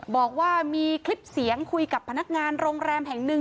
บอกว่ามีคลิปเสียงคุยกับพนักงานโรงแรมแห่งหนึ่ง